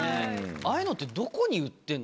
ああいうのってどこに売ってるの？